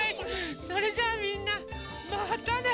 それじゃあみんなまたね！